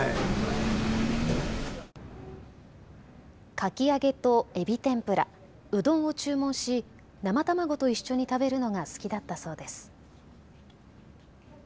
かき揚げとえび天ぷら、うどんを注文し生卵と一緒に食べるのが好きだったそうです。